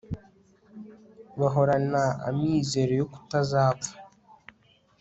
bahorana amizero yo kutazapfa